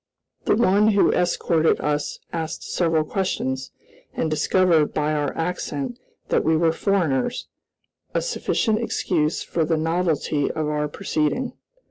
The one who escorted us asked several questions, and discovered, by our accent, that we were foreigners, a sufficient excuse for the novelty of our proceeding.